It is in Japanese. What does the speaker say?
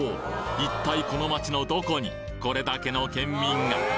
一体この街のどこにこれだけの県民が！